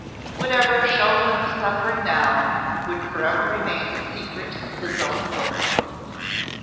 Whatever Chauvelin was suffering now would for ever remain the secret of his own soul.